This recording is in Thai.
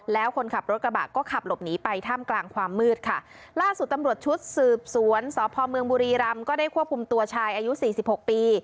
แล้วคนขับรถกระบะก็ขับหลบหนีไปท่ามกลางความมืดค่ะล่าสุดตำรวจชุดสืบสวนสพเมืองบุรีรำก็ได้ควบคุมตัวชายอายุสี่สิบหกปี